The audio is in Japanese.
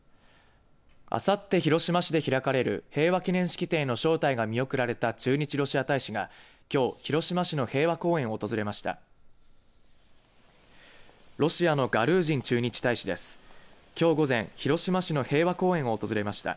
あさって広島市で開かれる平和記念式典への招待が見送られた駐日ロシア大使がきょう広島市の平和公園を訪れました。